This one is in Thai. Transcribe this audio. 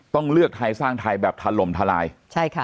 ต้องเลือกไทยสร้างไทยแบบถล่มทลายใช่ค่ะ